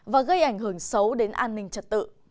và gây ảnh hưởng xấu đến an ninh trật tự